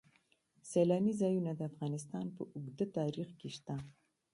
سیلاني ځایونه د افغانستان په اوږده تاریخ کې شته.